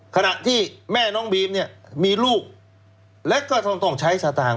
ขณะที่แม่น้องบีมเนี่ยมีลูกและก็ต้องใช้สตางค์